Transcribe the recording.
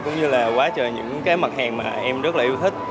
cũng như là quá trời những cái mặt hàng mà em rất là yêu thích